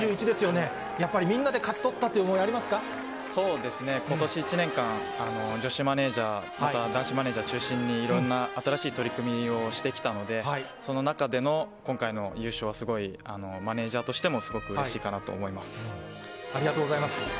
２１ですよね、やっぱりみんなで勝ち取ったって思いがありまことし１年間、女子マネージャー、ほか、男子マネージャーを中心に、いろんな新しい取り組みをしてきたので、その中での今回の優勝はすごいマネージャーとしてもすごくうれしありがとうございます。